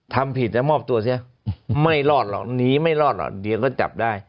ทำผิดแล้วมอบตัวใช่ไหมนีไม่รอดนะเดี๋ยวอยากจับได้